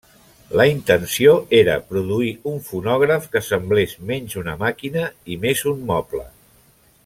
La intenció era produir un fonògraf que semblés menys una màquina i més un moble.